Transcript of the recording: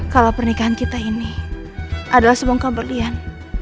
kalau pernikahan kita ini adalah sebuah keberlian